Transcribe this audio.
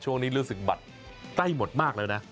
ช่วงนี้รู้สึกบัตรใต้หมดมากแล้วนะ